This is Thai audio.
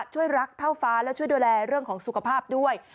ช่วยรักเท่าฟ้าและช่วยดูแลเรื่องของสุขภาพด้วย